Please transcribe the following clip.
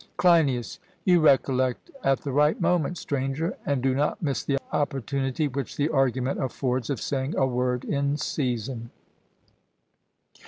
CLEINIAS: You recollect at the right moment, Stranger, and do not miss the opportunity which the argument affords of saying a word in season.